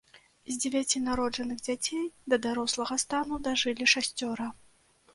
З дзевяці народжаных дзяцей да дарослага стану дажылі шасцёра.